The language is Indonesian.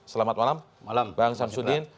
selamat malam bang syamsuddin